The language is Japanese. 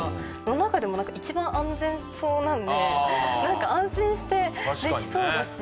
の中でも一番安全そうなのでなんか安心してできそうだし。